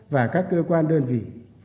và các cơ quan đơn vị